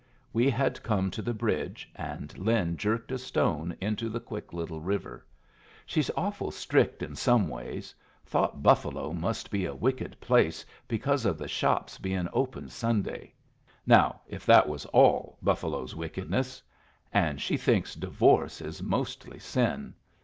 We had come to the bridge, and Lin jerked a stone into the quick little river. "She's awful strict in some ways. Thought Buffalo must be a wicked place because of the shops bein' open Sunday. Now if that was all Buffalo's wickedness! And she thinks divorce is mostly sin.